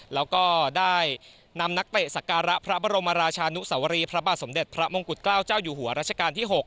แล้วก็ได้นำนักเตะสการะพระบรมราชานุสวรีพระบาทสมเด็จพระมงกุฎเกล้าเจ้าอยู่หัวรัชกาลที่๖